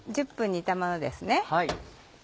１０分煮たものですね。